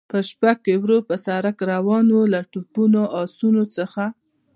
په شپه کې ورو پر سړک روان و، له توپونو، اسونو څخه.